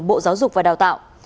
bộ giáo dục và đào tạo